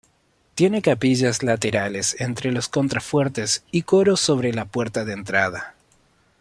Tiene capillas laterales entre los contrafuertes y coro sobre la puerta de entrada.